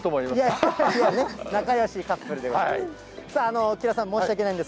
仲よしカップルでございます。